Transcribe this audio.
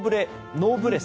ノーブレス。